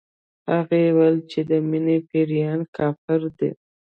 هغې ويل چې د مينې پيريان کافر دي